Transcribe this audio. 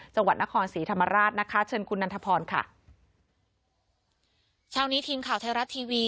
จังหวัดนครศรีธรรมราชนะคะเชิญคุณนันทพรค่ะเช้านี้ทีมข่าวไทยรัฐทีวี